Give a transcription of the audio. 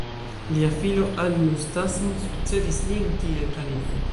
Lia filo Al-Musta'sim sukcedis lin kiel kalifo.